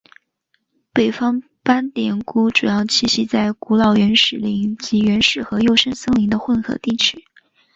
北方斑点鸮主要栖息在古老原始林及原始和幼生树林的混合地区。